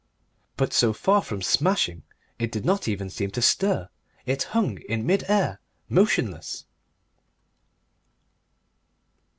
But so far from smashing it did not even seem to stir; it hung in mid air motionless.